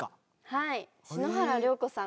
はい。